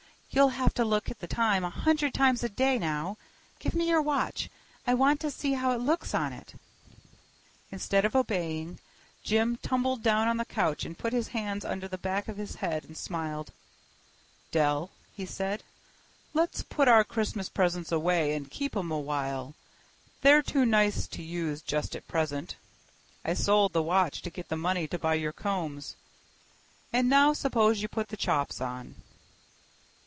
You'll have to look at the time a hundred times a day now. Give me your watch. I want to see how it looks on it." Instead of obeying, Jim tumbled down on the couch and put his hands under the back of his head and smiled. "Dell," said he, "let's put our Christmas presents away and keep 'em a while. They're too nice to use just at present. I sold the watch to get the money to buy your combs. And now suppose you put the chops on."